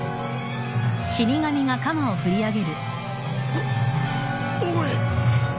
おおい。